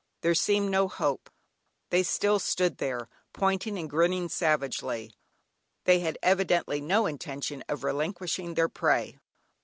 There seemed no hope; they still stood there, pointing and grinning savagely; they had evidently no intention of relinquishing their prey.